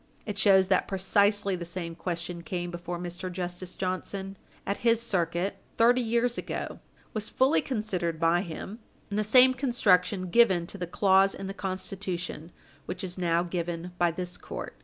It shows that precisely the same question came before Mr. Justice Johnson, at his circuit, thirty years ago was fully considered by him, and the same construction given to the clause in the Constitution which is now given by this court.